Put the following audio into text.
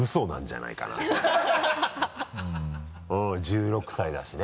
１６歳だしね。